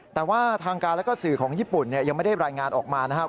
แต่ว่าทางการและก็สื่อของญี่ปุ่นยังไม่ได้รายงานออกมานะครับ